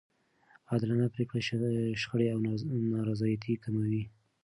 عادلانه پرېکړې شخړې او نارضایتي کموي.